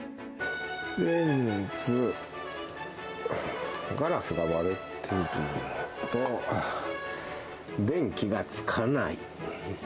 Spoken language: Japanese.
レンズのガラスが割れているのと、電気がつかない。